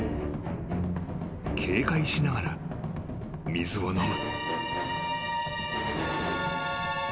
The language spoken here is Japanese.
［警戒しながら水を飲む］